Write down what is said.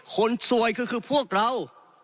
คนสวยก็คือพวกเรา